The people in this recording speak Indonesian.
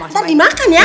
ntar dimakan ya